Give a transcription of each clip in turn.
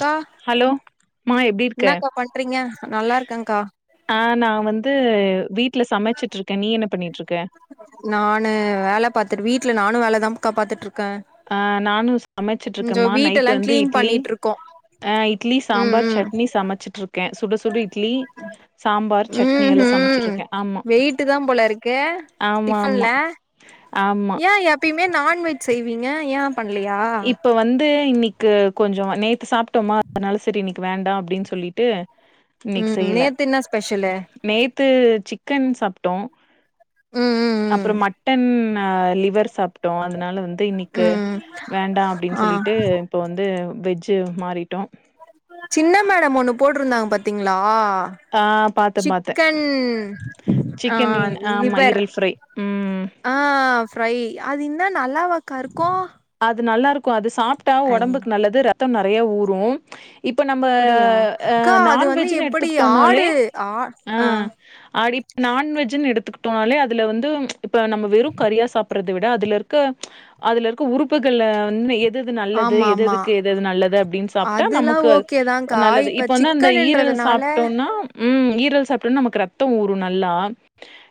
கா ஹலோ மா எப்டி இருக்க என்னக்கா பண்றீங்க நல்லா இருக்கேங்கா ஆ நா வந்து வீட்ல சமச்சிட்டு இருக்கேன் நீ என்ன பண்ணிட்டு இருக்க நானு வேல பாத்துட்டு வீட்ல நானும் வேலதான்க்கா பாத்துட்டு இருக்கேன் ஆ நானும் சமச்சிட்டு இருக்கேம்மா வீட்டெல்லா நைட் வந்து கிளீன் இட்லி பண்ணிட்ருக்கோ அ இட்லி ம் சாம்பார் ம் சட்னி சமச்சிட்டு இருக்கேன் சுட சுட இட்லி சாம்பார் சட்னி ம் எல்லாம் ம் சமச்சிருக்கேன் ஆமா வெயிட்டு தா போல இருக்கு ஆமா ஆமா ஆம் யா எப்பயுமே நான்வெஜ் செய்வீங்க யான் பண்லயா இப்ப வந்து இன்னைக் கு கொஞ்சம் நேத்து சாப்ட்டோமா அதனால சரி இன்னைக்கு வேண்டாம் அப்படின்னு சொல்லிட்டு இன்னைக்கு ம் செய்யல நேத்து என்ன ஸ்பெஷலு நேத்து சிக்கன் சாப்ட்டோம் ம் ம் அப்புறம் மட்டன் அ லிவர் சாப்ட்டோம் அதனால வந்து ம் இன்னைக்கு ம் வேண்டாம் அப்டின்னு ஆ சொல்லிட்டு இப்போ வந்து வெஜ்ஜு மாறிட்டோம் சின்ன மேடம் ஒன்னு போட்ருந்தாங்க பாத்தீங்ளா ஆ பாத்தே பாத்தே சிக்கன் ஆ சிக்கன் ஆமா லிவர் ஈரல் ஃப்ரை ம் ஆ ஃப்ரை அது இன்ன நல்லாவக்கா இருக்கு அது நல்லா இருக்கு அது சாப்ட்டா ஐ ஒடம்புக்கு நல்லது ரத்தம் நெறைய ஊறும் இப்ப நம்ம அப்படியா அ அக்கா அது வந்து நான்வெஜ்ஜுன் எப்படி எடுத்துக்கிட்டோனாலே ஆடு ஆ ஆ அடி நான்வெஜ்ஜுன் எடுத்துக்கிட்டோனாலே அதுல வந்து இப்ப நம்ம வெறு கறியா சாப்பிற விட அதுல இருக்க அதுல இருக்க உறுப்புகள வந்து எ தெது நல்லது ஆமா எத ஆமா எதுக்கு எதெது நல்லது அப்டின் சாப்ட்டா அதுல்லா நமக்கு ஓகேதான்க்கா நல்லது இ இப்ப ப்ப வந்து அந்த ஈரல் சிக்கனுன்றதுனால சாப்ட்டோனா ம் ஈரல் சாப்ட்டா நமக்கு ரத்தோ ஊறு நல்லா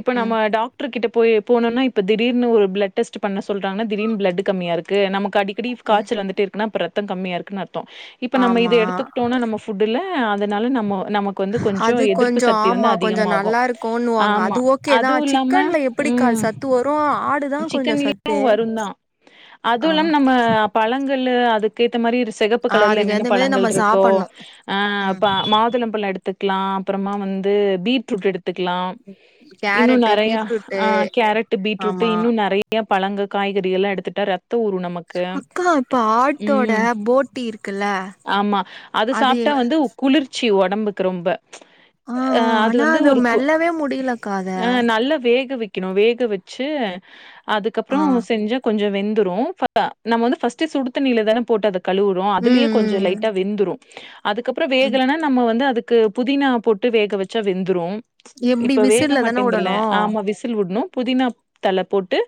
இப்ப ம் நம்ம டாக் ட்ரு கிட்ட போயி போனுனா இப்ப திடீர்னு ஒரு ப்ளெட் டெஸ்ட் பண்ண சொல்றாங்னா திடீர்ன் ப்ளெடு கம்மியா இருக்கு நமக்கு அடி க்கடி ம் காச்சல் வந்துட்டே இருக்குனா அப்ப ரத்த கம்மியாருக்குன் அர்த்தோ இப்ப நம்ம இத ஆமா எடுத்துக்டோனா நம்ம ஃபுட்டுல அதுனால நம்மோ நமக் கு வந்து கொஞ்சோ அது எதிர்ப்பு கொஞ்சோ சக்தி வந்து ஆமா கொஞ்சோ அதிகமாகு நல்லா இருக்குன்னுவாங்க அது ஆமா ஓகேதா அதுவு இல்லாம சிக்கன்ல எப்படிக்கா ம் சத்து வரு ஆடுதா கொஞ்சோ சிக்கன்லியு சத்து வருந்தா ஆ அதுவு இல்லாம் நம்ம பழங்களு அதுக்கு ஏத்த மாரி இது சிக ப்பு ஆ கலர்ல அதுக்கு என்னென்ன ஏந்த மாரி நம்ம பழங்கள்ட்ருக்கோ சாப்பட்ணு ஆ ம் இப்ப மாதுளம்பழோ எடுத்துக்லா அப்புறமா வந்து பீட்ரூட் எடுத் துக்லா இன்னு கேரட்டு நெறைய பீட்ரூட்டு அ கேரட்டு பீட்ரூட் ஆமா இன்னு நெறைய பழங்க காய்கறில்லா எடுத்துட்டா ரத்தோ ஊறு நமக் கு அக்கா இப்ப ஆட்டோட ம் போட்டி இருக்குல்ல ஆமா அது சாப்ட்டா வந்து குளிர்ச்சி ஒடம்புக்கு ரொம்ப ஆ அ அது ஆனா வந்து ஒரு கு மெல்லவே முடியலக்கா அத அ நல்ல வேக வெ க்கிணு வேக வெச்சு அதுக்கப்புறோ ஆ செஞ்சா கொஞ்சோ வெந்துரு [unintelligible] நம்ம வந்து ஃபஸ்ட்டு சுடுத்தண்ணிலதான போட்டு அத கழுவுறோ ம் அதுலியே கொஞ்சோ ம் லைட்டா வெந்துரு அதுக்கப்புறோ ம் வேகலனா நம்ம வந்து அதுக் கு புதினா போட்டு வேக வெச்சா வெந்துரு எப்டி இப்ப வேக விசில்ல தான மாட்டேந்துல உடணு ஆமா விஸ் ல் வுட்னு புதினா தழ போட்டு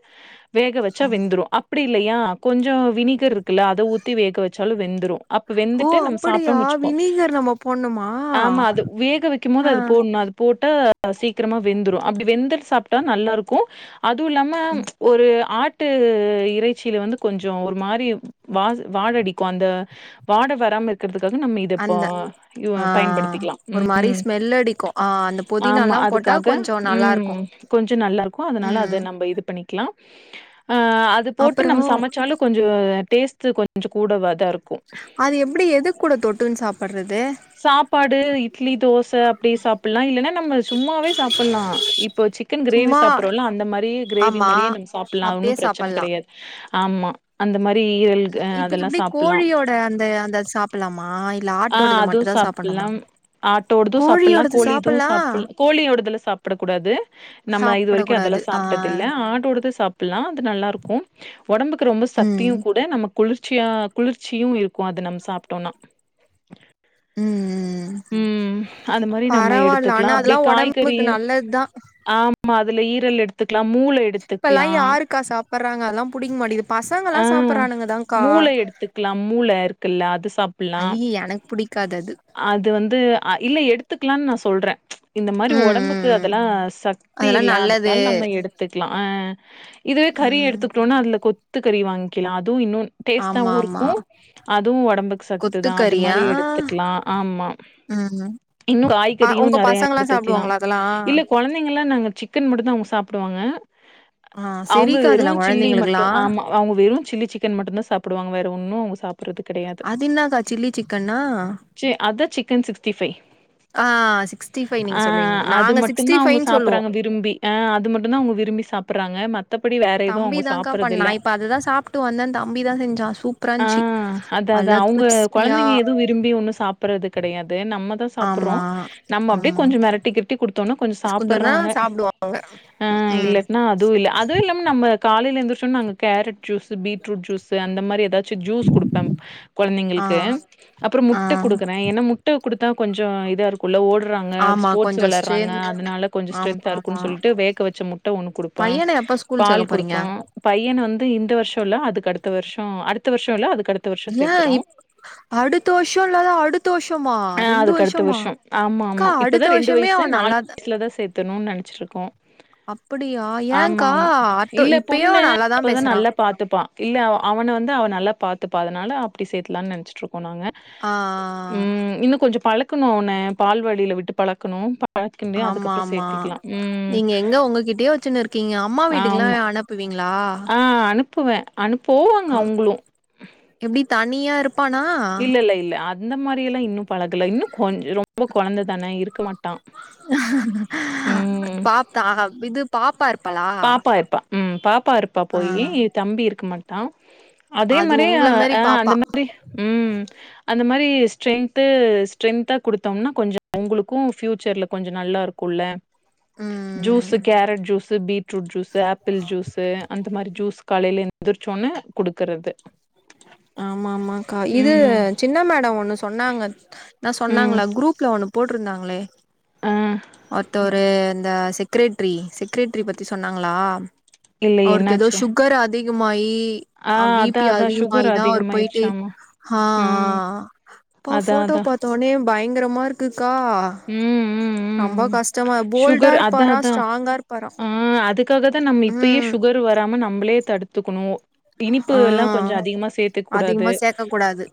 வேக வெச்சா வெந்துரு அப் அப்பிடி இல்லையா கொஞ்சோ வினிகர் இருக்குல்ல அத ஊத்தி வேக வெச்சாலு வெந்துரு அப்ப ஓ வெந்துட்டு நம்ம அப்படியா சாப்ட்டோன் வெச்சுக்கோ வினிகர் நம்ம போட்ணுமா ஆமா அது வேக வெக்கும் போது ஆ அது போட்னு அது போட்டு சீக்கிரமா வெந்துரு அப்டி வெந்துத் சாப்ட்டா நல்லாருக்கு அதுவு இல்லாம ம் ஒரு ஆ ட்டு இறைச்சில வந்து கொஞ்சோ ஒரு மாரி வா வாடடிக்கு அந்த வாட வராம இ கிற்துக்காக நம்ம இதப் அந்த ம் யு வ ஆ பயன்படுத்திக்கலா ஒரு மாரி ம் ஸ்மெல் அடிக்கு ஆ அந்த ஆமா புதினால்லா போட்டா அதுக்காக கொஞ்சோ நல்லாருக்கு ம் கொஞ்சோ நல்லா இருக்கு அதனால ம் அத நம்ம இது பண்ணி க்லா அது போட்டு அப்பறோ நம்ம சமச்சாலு கொஞ்சோ டேஸ்ட்டு கொஞ்சோ கூடவாதா இருக்கு அது எப்படி எதுக் கூட தொட்டுன் சாப்பட்றது சாப்பாடு இட்லி தோச அப்டி சாப்பில்லா இல்லனா நம்ம சும்மாவே சாப்பில்லா இப்ப சிக்கன் கிரேவி சும்மா சாப்பிறோல அந்த மாரியே கிரேவி ஆமா மாரியே நம்ம சாப்பில்லா அப்டியே ஒன்னு ப்ரெச்சன சாப்பட்லா கெடையா ஆமா அந்த மாரி ஈரல் க ம் இப்ப அதெல்லா எப்டி சாப்பிலா கோழியோட அந்த அந்த சாப் பலாமா இ ஆ அதுவு சாப்பில்லாம் ஆட்டோடுது சாப்பில்லா கோழியோடது கோழிது சாப்பட்லா சாப்பில் கோழியோடதுல சாப்டக்கூடாது நம்ம இது வரைக்கோ அதெல்லா சாப்டக்கூடாது ஆ சாப்ட்டது இல்ல ஆடோடது சாப் பில்லா அது நல்லா இருக்கூ ஓடம்புக்கு ரொம்ப ம் சக்தியுகூட நம்ம குளிர்ச்சியா குளிர்ச் சியு இருக்கூ அத நம்ம சாப்ட்டோனா ம் ம் ம் அது மாரி நம்ம பரவால்ல எடுத்துக்லா. ஆனா அப்டி அதெல்லா ஓடம்புக்கு காய்கறியு நல்லத்தா ஆமா அதுல ஈரல் எடுத் த்துக்லா மூள எடுத்து இப்பல்லா யாருக்கா சாப்பறாங்க அதெல்லா புடிக் மாட்டிகிது பசங்கல்லா ஆ சாப்பிட்றானுங்கதாங் மூள எடுத்துக்லா மூள இருக்குல்ல அது சாப்பில்லா எனக் புடிக் காது அது அது வந்து இல்ல எடுத்துக்லான் நா சொல்ற இந்த மாரி ம் ம் ஒடம்புக்கு ம் அதெல்லா சத் த்தி அதெல்லா இல்ல நல்லது அதனால நம்ம எடுத் த்துக்லா ஆ இதுவே கறி ம் எடுத்துக்கிட்டோனா அதுல கொத்து கறி வாங்கிலா அதுவு இன்னு ஆமா டேஸ்ட்டாவு ஆமா இருக்கூ அதுவு ஒடம்புக்கு சத்து தா இது கொத்துக்கறியா மாரி எடுத்துக்லா ஆமா ம் இன்னு அ காய்கறியு உங்க நறையா பசங்கல்லா எடுத்துக்லா சாப்டுவாங்களா அதெல்லா இல்ல கொழந்தைங்கள்லா நாங்க சிக்கன் மட்டு தா அவுங்க சாப்டுவாங்க ஆ அவங்க வெறு செரிக்காதுல சில்லி மட்டு கொழந்தைங்களுக்குலா ஆமா அவுங்க வெறு சில்லி சிக்கன் மட்டுந் தா சாப்புடுவாங்க வேற ஒன்னு அவுங்க அதி இன்னாக்கா சில்லி சிக்கன்னா அதா சிக்கன் சிக்ஸிடி ஃபை ஆ சிக்ஸ்டி ஃபைவ் நீங்க அ சொல்லுவீங்களா அது நாங்க மட்டுந்தா சிக்ஸ்டி அவுங்க ஃபைவ்ன்னு சொல்லுவோ சாப்பிறாங்க விரும்பி அ அது மட்டுந்தா அவுங்க விரும்பி சாப்பிறாங்க ம மத்தப்படி வேற எதுவு அவங்க தம்பிதான்கா பண்ணா சாப்பறதில்ல இப்ப அததுதா சாப்ட்டு வந்தேன் தம்பி தா செஞ்சான் சூப்பராந்ச்சி அத அதா அவுங்க கொழந்தைங்க எது விரும்பி ஒண்ணு சாப்பறது கடையாது நம்ம தா சாப்புறோ ஆமா நம்ம அப்டே ஆமா கொஞ்சோ மிரட்டி கிரட்டி குடுத்தோன கொஞ்சோ சாப்பறாங்க சாப்டுவாங்க ஆ இல்லட்னா அதுவு இல்ல துவு இல்லாம நம்ம காலையில எந்துருச்சோன நாங்க கேரட் ஜூஸு பீட்ரூட் ஜூஸு அந்த மாரி எதாது ச்சு ஜூஸ் குடுப்பே ஆ கொழந்தைங்களுக்கு அப்புறோ ஆ முட்ட கெடுக்கறே என்னா முட்ட முட்ட குடுத்தா கொஞ்சோ இதா இருக் குள்ள ஓட்றாங்க ஆமா ஸ்போர்ட்ஸ் கொஞ்சோ வெளாட்றாங்க ஸ்ட்ரென் அதனால கொஞ்சோ ஆமா ஸ்ட்டென்த்தா ஆமா இருக்குன் சொல்லிட்டு வேக்க வச்ச மு முட்ட ஒண்ணு குடுப்ப பையன எப்ப ஸ்கூல் பால் சேக்க போறீங்க குடுப்ப பையன் வந்து இந்த வருஷோ இல்ல அதுக்கு அடுத்த வருஷொ அடுத்த வருஷொ இல்ல அதுக்கு அடுத்த வருஷம் ஏ சேத்துறோம். இப் அடுத்த வருஷொ இல்லாத அடுத்த வருஷமா ஆ ரெண்டு அதுக்கு அடுத்த வருஷமா வருஷொ ஆமா அக்கா ஆமா இப்பதா அடுத்த ரெண்டு வருஷமே வயசு அவ நாலு நல்லாத வயசுல தா சேத்தணுன்னனு நெனைச்சிட்ருக்கோ அப்படியா ஏன்க்கா ஆமாமா அத்த இல்ல இப்பயு பொண்ணு நல்லாதா அப்பதா பேசுறா நல்லா பாத்துப்பான் இல்ல அவ அவனை வந்து அவள் நல்லா பாத்துப்பா அதனால அப்டி சேத்துலான்னு நெனச்சிட்ருக்கோ நாங்க ஆ ஆ ஆ இன்னு கொஞ்சோ பழக்கணு அவன பால்வாடில விட்டு பழக்கணு ஆமாமா நீங்க எங்க உங்ககிட்டயே வச்சுன்னு இருக்கீங்க அம்மா வீட்டுக்குல்லா அனு ப்புவீங்களா அ அனுப்புவே அனுப் போவாங்ங அவுங்களு எப்டி தனியா இருப் ப்பானா இல்ல இல்ல இல்ல அந்த மாரி எல்லா இன்னு பழகல இன்னு கொஞ்சரோ ப்போ கொழந்ததான இருக்க மாட்டா ம் தாஹாப் இது பாப்பா இருப்பாளா பாப்பா இருப்பா ம் பாப்பா இருப்பா ஆ போயி தம்பி இருக்க மாட்டா அதே அது மாரியே உங்கள மாரி அ அந்த பாப்பா மாரி ம் அந்த மாரி ஸ்ட்ரென்த்து ஸ்ட்ரென்த்தா குடுத்தோம்னா கொஞ்சோ அவுங்களுக்கு ஃப்யூச்சர்ல கொஞ்சோ நல்லா இருக் குள்ள ஜூஸு ம் carrot juice beetroot juice apple juice அந்த மாரி ஜூஸ் காலையில எந்திரிச்சோன்னே குடுக்கறது ஆமா ஆமாக்கா இது ம். சின்ன மேடோ ஒண்ணு சொன்னாங்க என்ன ம். சொன்னாங்களா குரூப்ல ஒண்ணு போட்ருந்தாங்களே ஆ. ஒருத்தோரு இந்த செக் ரெட்ரி செக்ரெட்ரி பத்தி சொன்னாங்களா இல்ல அவருக்கு ஏதோ என்னாச்சு? ஷு க்கர் அதிகமாயி ஆ அதா அதா ஷு ஆ இதா ஒரு போயிட்டு ஹ‌ ஆ ம். ப்பா அதான், ஃபோட்டோ அதான். பாத் தோனே பயங்கரமா இருக்குக்கா ம் ம் ம் ரொம்ப ம் கஷ்டமா போல்டா ஷுகர் அதா இருப்பாரா அதா ஸ்ட்ராங்கா இருப்பாரா ஆ அதுக்காக தா நம்ம இப்பயே ம் ஷுகர் வராம நம்பளே தடுத்துக்கணு இனிப்பு ஆ எல்லா கொஞ்சோ அதிகமா சேத்துக்கூடாது அதிகமா சேக்க கூடாது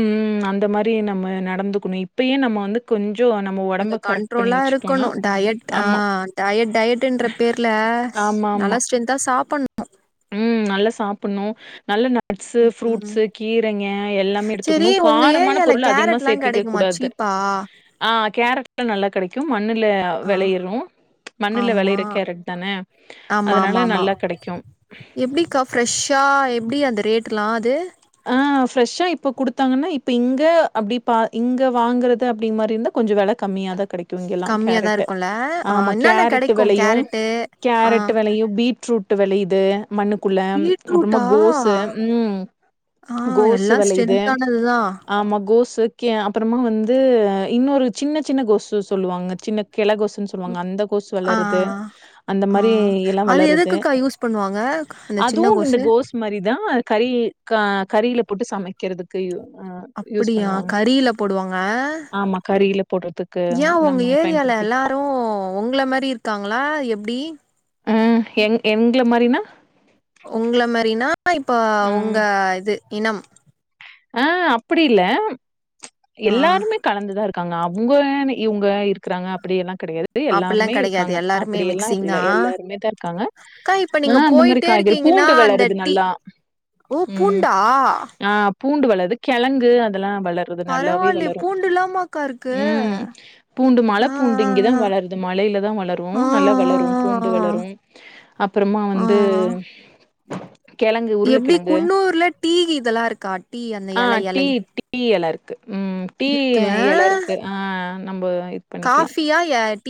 ம் அந்த மாரி நம்ம நடந்துக்கணு இப்பயே நம்ம வந்து கொஞ் சோ நம்ம கொஞ்சோ ஒடம்ப கரெக்ட் பண்ணி கண்ட்ரோலா வச்சுட்டோனா இருக்கணு டயட் ஆ ஆமா டயட் டயட்ன்ற ஆமா ஆமா தா சாப்படணு ம் நல்லா சாப்பட்னு நல்ல ந நட்ஸ்ஸு ம் ஃப்ரூட்ஸ்ஸு கீரைங்க எல்லாமே செரி எடுத்துக்கணு காரமான பொருள அதிகமா சேத்திக்ககூடாது பா ஆ கேரட்லா நல்லா கடைக்கும் மண்ணுல அ ஆ வெளையறு மண்ணுல ஆமா வெளையற கேரட் தான ஆமா ஆமா அதனால ஆமா நல்லா கடைக்கு எப்டிக்கா ஃப்ரெஷ்ஷா எப்டி அந்த ரேட்டுலா அது ஆ ஃப்ரெஷ்ஷா இப்ப குடுத்தாங்கன்னா இப்ப இங்க அப்டி பா இங்க வாங்கறது அப்டி மாரி இருந்தா கொஞ்சோ வெல கம்மியாதா கடைக் கு இங்கல்லா‌ கம்மியா தா கேரட்டு இருக்குல்ல ஆ ஆமா என்னென்ன கேரட்டு கெடைக்கு வெலையு கேரட்டு ஆ கேரட்டு வெலையும் பீட்ரூட் டு வெளையுது மண்ணுக்குள்ள அப்புறமா பீட்ரூட்டா கோசு ம் ஆ கோசு எல்லா வெலையுது ஸ்ட்ரென்த்தானதுதா ஆமா கோசு கே அப்பறமா வந்து இன்னொரு சின்ன சின்ன கோசு சொல்லுவாங்க சின்ன கெல கோசுன் சொ சொல்லாவாங்க அந்த கோசு ஆ வளரது அந்த ஆ ஆ மாரி எல்லா அது வளருது எதுக்குக்கா யூஸ் பண்ணுவாங்க அந்த சின்ன கோசு மாரிதா கறி க கறில போட்டு சமைக் கிறதுக்கு அ யூஸ் அப்டியா பண்ணுவாங்க கறில போடுவாங்க ஆமா கறில போடுறதுக்கு நம்ம பயன்படுத்தி இன்னு உங்கள மாரி இருக்காங்களா எப்டி அ என் என்ங்கள மாரினா உங்கள‌ மாரினா இப்ப உங்க ம் இது இனம் ஆ அப்பிடி இல்ல ஆ எல்லாருமே கலந்துதா இருக்காங்க அவுங்கனு இவுங்க இருக்கிறாங்க அப்படி எல்லா கிடையாது அப்பிட்லா எல்லாருமே கெடையாது இருக்காங்க எல்லாருமே அப்டியல்ல மிக்சிங் இல்ல தா எல்லாருமேதா இருக்காங்க அக்கா இப்ப நீங்க நா அந்த மாரி போயிட்டே காய்கறி இருக்கீங்கன்னா பூண்டு அந்த வளருது டீ நல்லா ஓ ம் பூண்டா ஆ பூண்டு வளருது கெழங்கு அதெல்லா வள நல்லாவே பரவாயில்லையே வளரு பூண்டுல்லாமாக்கா இருக்கு ம் பூண்டு மல ஆ பூண்டு இங்கதா ஆ வள அது மழையிலதா வளரு ஆ ஆ நல்லா வளரு பூண்டு வளரு அப்றமா ஆ ஆ வந்து ஆ கெழங்கு எப்டி உருளக்கெழங்கு குன்னூர்ல டீ இதெல்லா இருக்கா டீ அந்த ஆ எலை டீ எலை டீ எல இருக்கு ம் டீ இருக்கு எல இருக்கு ஆ நம்ம இது பண்ணிக்லா [unintelligible]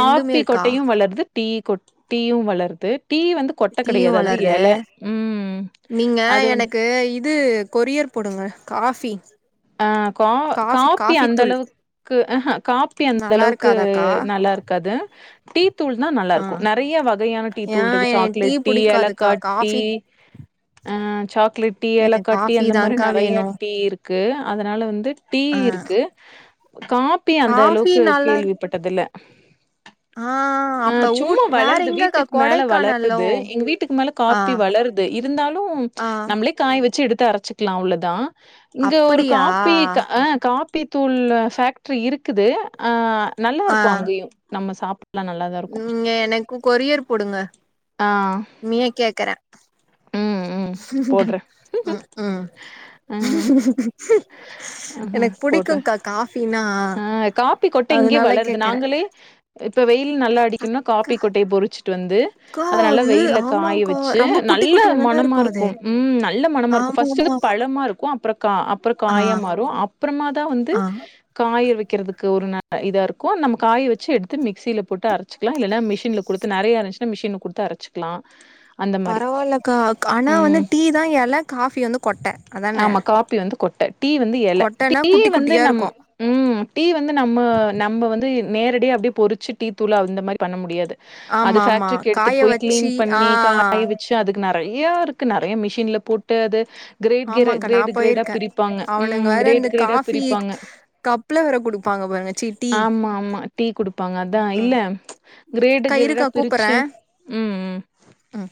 ரெண்டுமே இருக்கா கொட்டையு வளருது டீ கொ டீயு வளருது டீ வந்து கொட்ட டீயு கெடையாது அது வளருது எல ம் நீங்க அது வந்து எனக்கு இது கொரியர் போடுங்க காஃபி அ கா காஃபி காப்பி காஃபி அந்த தூள் அளவுக்கு அஹ காப்பி நல்லா அந்தளவுக்கு இருக்காதாக்கா நல்லா இருக் காது டீ தூள் தா நல்லா ஆ இருக்கு நறைய வகையான டீ ஏ தூள் இருக்கு எனக்கு சாக்லேட் டீ ஏலக்கா புடிக்காதுக்கா டீ காஃபி அ சாக்லேட் டீ எனக்கு ஏலக்கா டீ காஃபி அந்த மாரி தான்க்கா நறைய வேணு டீ இருக்கு அதனால வந்து டீ ஆ இருக்கு காப் காப்பி அந்த காஃபி அளவுக்கு நல்லா இருக் கேள்விப்பட்டது இல்ல ஆ அ அப்ப சும்மா ஊட் வேற வளருது எங்கக்கா வீட்டுக்கு மேல கொடைக்கானல்லோ வளருது எங்க வீட்டுக்கு மேல ஆ காப்பி வளருது இருந்தாலு ஆ நம்ளே காய்ய வச்சு எடுத்து அரைச்சுக்லா அவ்ளோதா இங்க ஒரு அப்படியா காப்பி அ காப்பி தூள் பேக்ட்ரி இருக்குது அ நல்லா இருக்கு அங்கயு நம்ம சாப் ம் எனக்கு கொரியர் போடுங்க அ உண்மையா கேக்குற ம் போட்றே ம் அ எனக்கு புடிக்குக்கா காஃபினா அ காப்பிக்கொட்டை இங்கேயே அதனால வளருது கேக்குறே நாங்களே இப்ப வெயில் நல்லா அடிக்குனா கா காப்பிக்கொட்டைய பொறிச்சு ட்டு வந்து க்கா அத நல்ல அது வெயில காய ஆமாக்கா வச்சு ரொம்ப குட்டி நல்ல குட்டியா தான மனமா இருக்கு அது ம் நல்ல மனமா இருக்கு ஆமா ஃபஸ்ட்டு ஆமா பழமா இருக்கு அப்றோ கா அப்றோ ஆ காய மாறு அப்றமா தா வந்து ஆ காய வக்கிறதுக்கு ஒரு இதா இருக்கு நம்ம காய வச்சு எடுத்து மிக்சியில போட்டு அரச்சிக்லா இல்லனா மிஷின்ல குடுத்து நறைய அரச்சி மிஷின்ல குடுத்து அரச்சிக்லா பரவால்லக்கா ஆனா வந்து டீ தா எல காஃபி வந்து கொட்ட அதானே ஆமா காப்பி வந்து கொட்ட டீ வந்து எலை டீ குட்டி வந்து குட்டியா நம் இருக்கு ம் டீ வந்து நம்ம நம்ம வந்து நேரடியா அப்டியே பொறிச்சு டீ தூள் அந்த மாதிரி பண்ண முடியாது அது ஆமா ஆமா பேக்ட்ரிக்கு காய எடுத்துட்டு போய் க்ளீன் வச்சு பண்ணி ஆ காய வச்சு அதுக்கு நறைய இருக்கு நறைய மிஷின்ல போட்டு அது க்ரேட் க்ரே ஆமாக்கா நா க்ரேட் க்ரேடா போயிருக்கே பிரிப்பாங்க ம் க்ரேட் க்ரேடா பிரிப்பாங்க கப்புல வேற குடுப்பாங்க பாருங்க சி டீ ஆமா ஆமா டீ குடுப்பாங்க அதா ம் இல்ல க்ரேடு அக்கா க்ரேடா இருக்கா கூப்பறே பிரிச்சு ம் ம் ம்